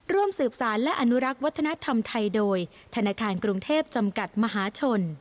ร่วมสืบสารและอนุรักษ์วัฒนธรรมไทยโดยธนาคารกรุงเทพจำกัดมหาชน